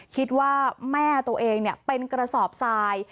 คิดว่าแม่ตัวเองเป็นกระสอบทราย